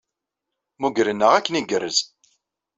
Mmugren-aɣ akken igerrez.